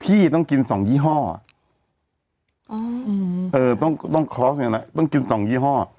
พี่ต้องกินสองยี่ห้อเออต้องต้องต้องกินสองยี่ห้อ